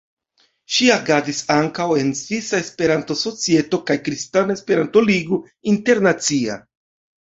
Ŝi agadis ankaŭ en Svisa Esperanto-Societo kaj Kristana Esperanto-Ligo Internacia.